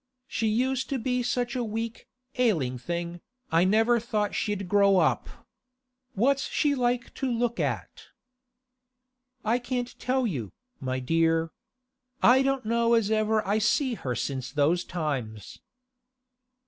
'She used to be such a weak, ailing thing, I never thought she'd grow up. What's she like to look at?' 'I can't tell you, my dear. I don't know as ever I see her since those times.